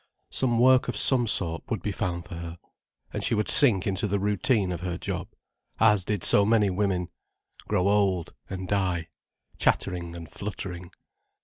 Some work of some sort would be found for her. And she would sink into the routine of her job, as did so many women, and grow old and die, chattering and fluttering.